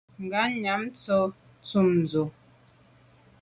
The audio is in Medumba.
Ngabnyàm tshàm ntshob ndù.